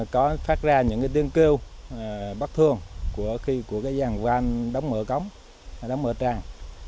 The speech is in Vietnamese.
có phát ra những tiếng kêu bắt thương của cái dàn van đóng mở tràn